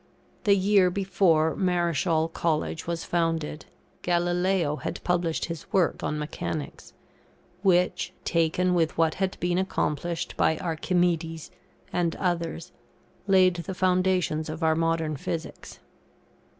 The year before Marischal College was founded, Galileo had published his work on Mechanics, which, taken with what had been accomplished by Archimedes and others, laid the foundations of our modern Physics.